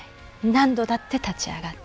何度だって立ち上がって。